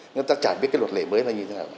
người ta chả biết cái luật lệ mới là như thế nào